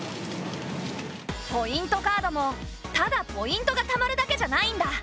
カードもただポイントがたまるだけじゃないんだ。